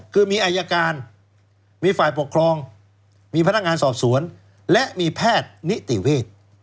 คือมีอายการมีฝ่ายปกครองมีพนักงานสอบสวนและมีแพทย์นิติเวทย์